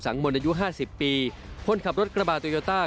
สังมนต์อายุ๕๐ปีคนขับรถกระบาดโตยอต้า